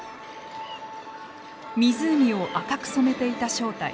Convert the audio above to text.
湖を赤く染めていた正体。